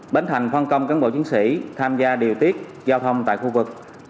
bến thành phân công cán bộ chiến sĩ tham gia điều tiết giao thông tại khu vực